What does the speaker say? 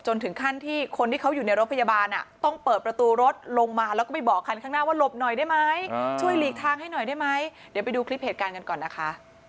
ให้หน่อยได้ไหมเดี๋ยวไปดูคลิปเหตุการณ์กันก่อนนะคะ